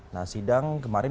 nah sidang kemudian